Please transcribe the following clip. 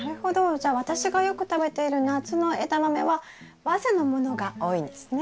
じゃあ私がよく食べている夏のエダマメは早生のものが多いんですね。